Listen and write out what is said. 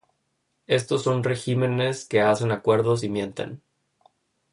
Estos son regímenes que hacen acuerdos y mienten.